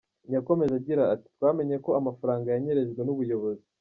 Yakomeje agira ati “ Twamenye ko amafaranga yanyerejwe n’ubuyobozi.